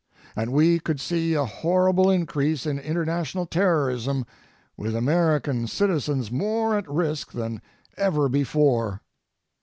And we could see a horrible increase in international terrorism, with American citizens more at risk than ever before.